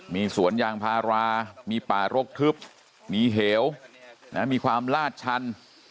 มีสวนยางพารามีป่ารกทึบมีเหวมีความลาดชัน